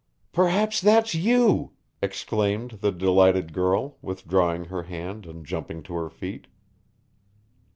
"Perhaps that's you!" exclaimed the delighted girl, withdrawing her hand and jumping to her feet.